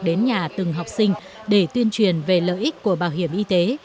đến nhà từng học sinh để tuyên truyền về lợi ích của bảo hiểm y tế